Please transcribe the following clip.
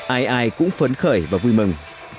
ai ai cũng phấn khởi và vui mừng